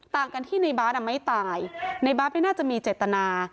ต่างกันที่นายบ้านไม่ตายนายบ้านไม่น่าจะมีเจตนา